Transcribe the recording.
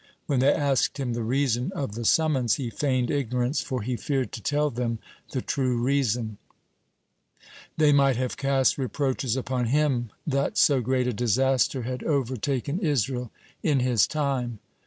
When they asked him the reason of the summons, he feigned ignorance, for he feared to tell them the true reason; they might have cast reproaches upon him that so great a disaster had overtaken Israel in his time.